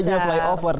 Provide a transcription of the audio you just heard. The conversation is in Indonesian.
karena adanya flyover